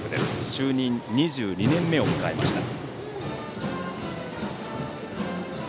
就任２２年目を迎えました。